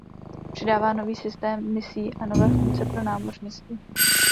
Přidává nový systém misí a nové funkce pro námořnictvo.